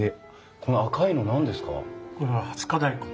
この赤いの何ですか？